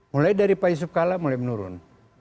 mulai dari pak yusuf kalla mulai menurun